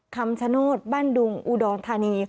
คำชโนธบ้านดุงอุดรธานี